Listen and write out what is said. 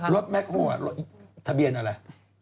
รถแมกโฮล์อ่ะรถทะเบียนอะไร